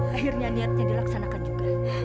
akhirnya niatnya dilaksanakan juga